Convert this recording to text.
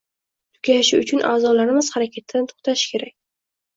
Tugashi uchun a’zolarimiz harakatdan to‘xtashi kerak.